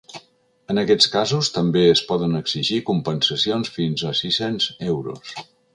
En aquests casos, també es poden exigir compensacions fins a sis-cents euros.